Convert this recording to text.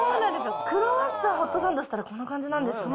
クロワッサンホットサンドしたら、こんな感じなんですね。